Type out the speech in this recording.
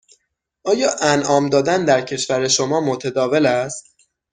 آیا انعام دادن در کشور شما متداول است؟